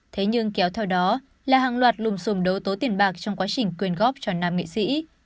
thế nhưng kéo theo đó là hàng loạt lùm xùm đấu tố tiền bạc trong quá trình quyên góp cho nam nghệ sĩ